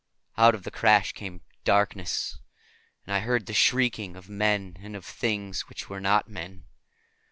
Out of that crash came darkness, and I heard the shrieking of men and of things which were not men.